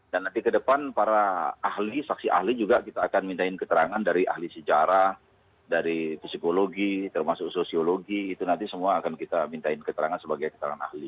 dan nanti ke depan para ahli saksi ahli juga kita akan mintain keterangan dari ahli sejarah dari psikologi termasuk sosiologi itu nanti semua akan kita mintain keterangan sebagai keterangan ahli